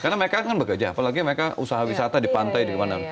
karena mereka kan bekerja apalagi mereka usaha wisata di pantai